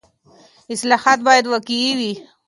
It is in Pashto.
اصلاحات باید واقعي وي.